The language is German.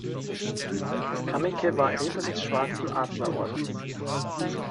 Kameke war Ritter des Schwarzen Adlerordens.